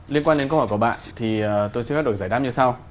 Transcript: liên quan đến câu hỏi của bạn thì tôi xin phép được giải đáp như sau